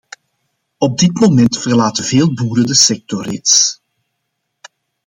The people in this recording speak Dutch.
Op dit moment verlaten veel boeren de sector reeds.